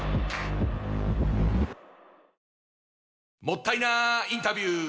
もったいなインタビュー！